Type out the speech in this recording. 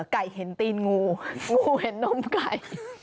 ไก่เห็นตีนงูงูเห็นนมไก่